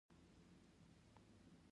مرکه باید له درناوي ډکه وي.